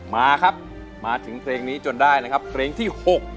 มาครับมาถึงเพลงนี้จนได้นะครับเพลงที่๖